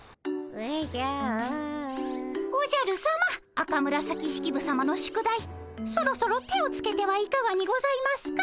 赤紫式部さまの宿題そろそろ手をつけてはいかがにございますか？